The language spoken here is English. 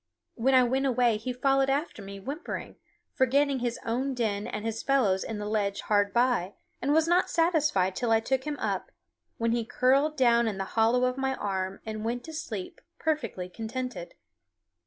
When I went away he followed after me whimpering, forgetting his own den and his fellows in the ledge hard by, and was not satisfied till I took him up, when he curled down in the hollow of my arm and went to sleep perfectly contented.